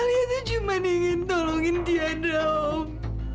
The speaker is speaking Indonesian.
alia itu cuma ingin tolongin tiandra om